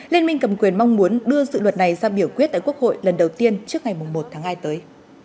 liên minh cầm quyền mong muốn đưa dự luật này ra biểu quyết tại quốc hội lần đầu tiên trước ngày một tháng hai tới